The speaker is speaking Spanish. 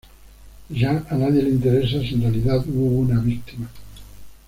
Ya a nadie le interesa si en realidad hubo una víctima".